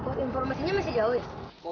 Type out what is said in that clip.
oh informasinya masih jauh ya